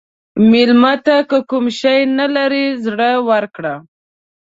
مېلمه ته که کوم شی نه لرې، زړه ورکړه.